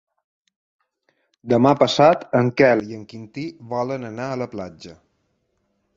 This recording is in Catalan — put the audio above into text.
Demà passat en Quel i en Quintí volen anar a la platja.